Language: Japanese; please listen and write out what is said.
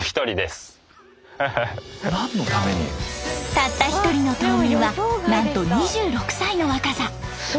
たった１人の島民はなんと２６歳の若さ。